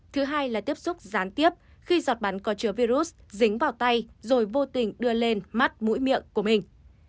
thứ hai là tiếp xúc gián tiếp khi giọt bắn có chứa virus dính vào tay rồi vô tình đưa lên mắt mũi miệng của mình